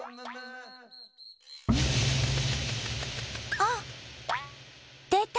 あっでた！